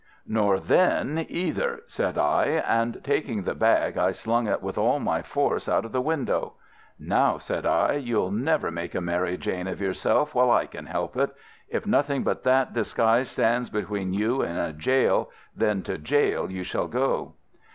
"'Nor then, either,' said I, and taking the bag I slung it with all my force out of the window. 'Now,' said I, 'you'll never make a Mary Jane of yourself while I can help it. If nothing but that disguise stands between you and a gaol, then to gaol you shall go.